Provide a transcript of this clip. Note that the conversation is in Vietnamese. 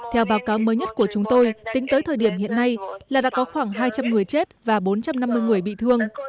theo báo cáo mới nhất của chúng tôi tính tới thời điểm hiện nay là đã có khoảng hai trăm linh người chết và bốn trăm năm mươi người bị thương